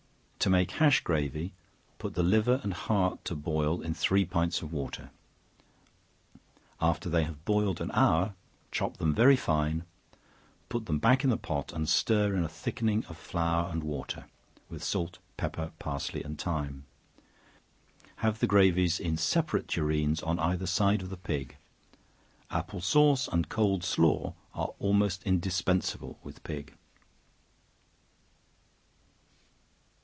To make hash gravy, put the liver and heart to boil in three pints of water; after they have boiled an hour, chop them very fine, put them back in the pot and stir in a thickening of flour and water, with salt, pepper, parsley and thyme. Have the gravies in separate tureens on either side of the pig. Apple sauce and cold slaw are almost indispensable with pig.